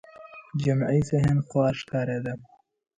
جمعي ذهن خوار ښکارېده